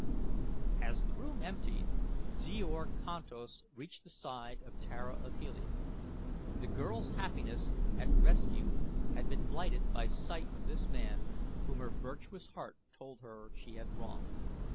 As the room emptied Djor Kantos reached the side of Tara of Helium. The girl's happiness at rescue had been blighted by sight of this man whom her virtuous heart told her she had wronged.